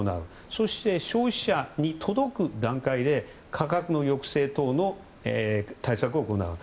そして消費者に届く段階で価格の抑制等の対策を行う。